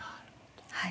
はい。